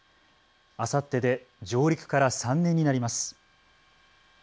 あさってで上陸から３年になります。